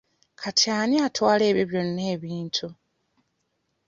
Kati ani atwala ebyo byonna ebintu?